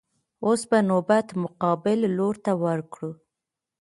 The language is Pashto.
اوس به نوبت مقابل لور ته ورکړو.